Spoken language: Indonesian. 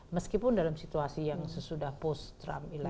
meskipun dalam situasi yang sesudah post trump hilang